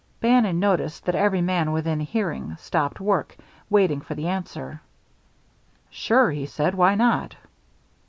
Bannon noticed that every man within hearing stopped work, waiting for the answer. "Sure," he said. "Why not?"